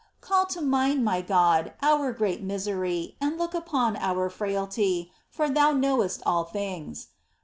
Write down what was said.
Call to mind, my God, our great misery, and look upon our frailty, for Thou knowest all things.